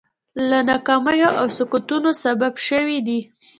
د ناکامیو او سقوطونو سبب شوي دي.